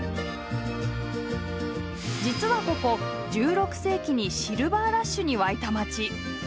実はここ１６世紀にシルバーラッシュに沸いた街。